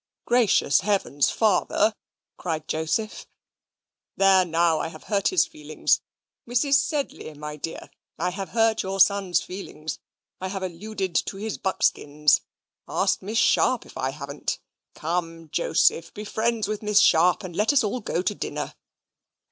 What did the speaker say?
"Gracious heavens! Father," cried Joseph. "There now, I have hurt his feelings. Mrs. Sedley, my dear, I have hurt your son's feelings. I have alluded to his buckskins. Ask Miss Sharp if I haven't? Come, Joseph, be friends with Miss Sharp, and let us all go to dinner."